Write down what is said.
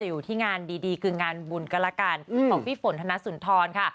อยู่ที่งานดีคืองานบุญก็แล้วกันของพี่ฝนธนสุนทรค่ะ